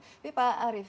tapi pak arief